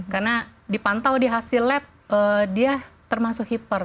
karena dipantau di hasil lab dia termasuk hiper